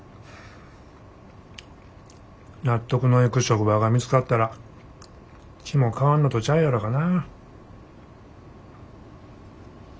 納得のいく職場が見つかったら気も変わんのとちゃうやろかな。